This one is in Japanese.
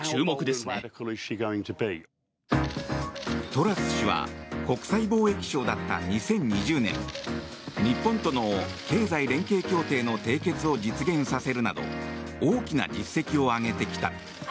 トラス氏は国際貿易相だった２０２０年日本との経済連携協定の締結を実現させるなど大きな実績を上げてきた。